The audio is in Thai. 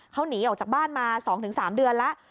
เขาหนีออกจากบ้านมา๒๓เดือนแล้ว